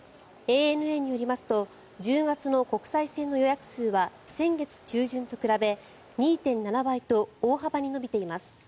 ＡＮＡによりますと１０月の国際線の予約数は先月中旬と比べ２．７倍と大幅に伸びています。